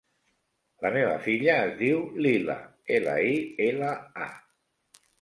La meva filla es diu Lila: ela, i, ela, a.